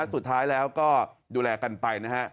สุดท้ายแล้วก็ดูแลกันไปนะฮะ